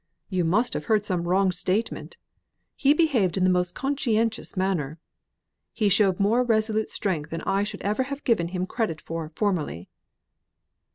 "You must have heard some wrong statement. He behaved in the most conscientious manner. He showed more resolute strength than I should ever have given him credit for formerly."